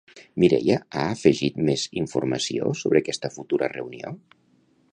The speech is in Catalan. Mireia ha afegit més informació sobre aquesta futura reunió?